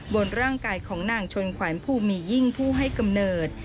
บนร่างกายของนางชนขวัญผู้มียิ่งผู้ให้กำเนิด